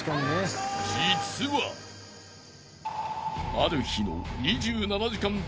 ［ある日の］